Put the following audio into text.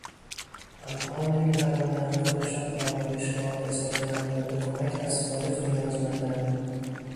آنها نمیتوانندخودشان پالایشگاه بسازند و به کمک از خارج نیازمندند.